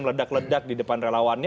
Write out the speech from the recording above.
meledak ledak di depan relawannya